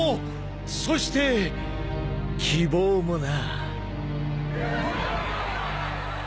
そして希望もな。